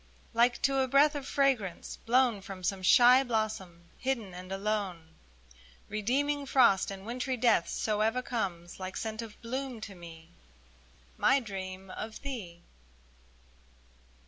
Like to a breath Of fragrance blown From some shy blossom, hidden and alone, Redeeming frost and wintry death. So ever comes, like scent of bloom to me, My dream of thee